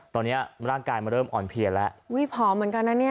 ตอนนี้ร่างกายมันเริ่มอ่อนเพลียแล้วอุ้ยผอมเหมือนกันนะเนี่ย